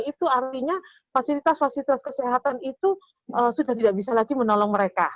itu artinya fasilitas fasilitas kesehatan itu sudah tidak bisa lagi menolong mereka